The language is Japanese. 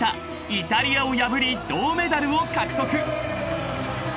イタリアを破り銅メダルを獲得］